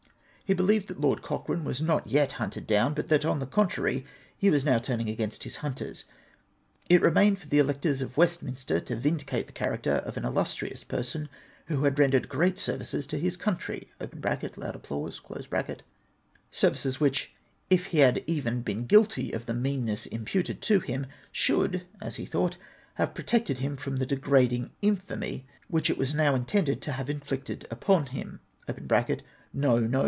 He be lieved that Lord Cochrane was not yet hunted down ; but that, on the contrary, he was now turning against his hunters. It now remained for the electors of Westminster to vindicate the character of an illustrious person who had rendered great services to his country {loud applause) ; services which, if he had even been guilty of the meanness imputed to him, should, as he thought, have protected him from the degrading infamy which it was now intended to have inflicted upon him. {^' No, no!"